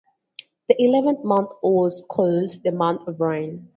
The eleventh month was called the "month of rain".